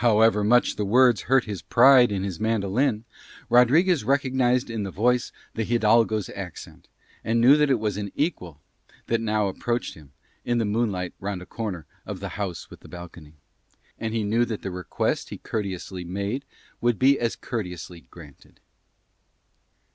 However much the words hurt his pride in his mandolin Rodriguez recognised in the voice the hidalgo's accent and knew that it was an equal that now approached him in the moonlight round a corner of the house with the balcony; and he knew that the request he courteously made would be as courteously granted.